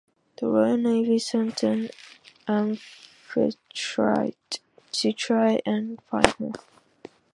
The Royal Navy sent and "Amphitrite" to try and find her.